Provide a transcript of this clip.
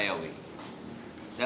ini adalah kafe milik saya wik